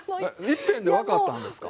いっぺんで分かったんですか？